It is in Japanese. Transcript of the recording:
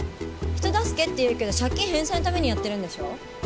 人助けって言うけど借金返済のためにやってるんでしょ？